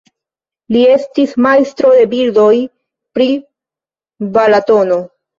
Li estis majstro de bildoj pri Balatono.